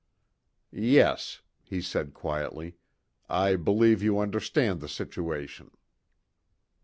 "Yes," he said quietly; "I believe you understand the situation."